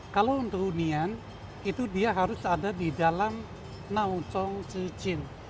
kalau untuk hunian itu dia harus ada di dalam nao zhong zhi jin